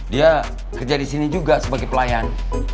dia kerja di sini juga sebagai pelayan